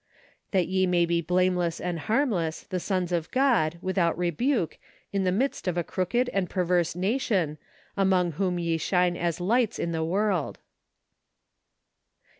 " That ye may be blameless and harmless , the sons of God, without rebuke , in the midst of a crooked and perverse nation, among whom ye shine as lights in the world" MARCH.